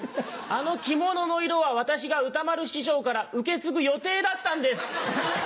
あの着物の色は私が歌丸師匠から受け継ぐ予定だったんです！